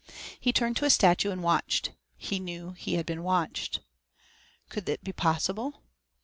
He turned to a statue and watched; he knew he had been watched. Could it be possible?